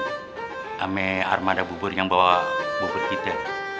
rame armada bubur yang bawa bubur kita